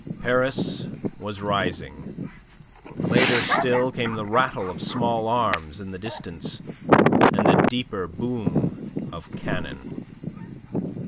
Paris was rising. Later still came the rattle of small arms in the distance and the deeper boom of cannon.